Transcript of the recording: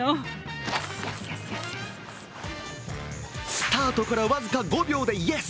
スタートから僅か５秒でイエス！